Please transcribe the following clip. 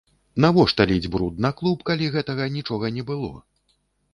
Навошта ліць бруд на клуб, калі гэтага нічога не было?